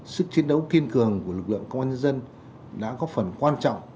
sức chiến đấu kiên cường của lực lượng công an nhân dân đã góp phần quan trọng